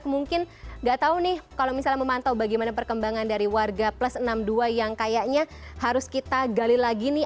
mungkin nggak tahu nih kalau misalnya memantau bagaimana perkembangan dari warga plus enam puluh dua yang kayaknya harus kita gali lagi nih